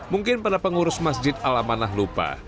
mungkin para pengurus masjid alam manah lupa